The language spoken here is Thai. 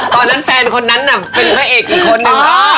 แฟนคนนั้นน่ะเป็นพระเอกอีกคนนึง